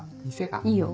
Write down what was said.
いいよ。